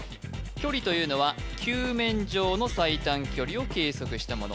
距離というのは球面上の最短距離を計測したもの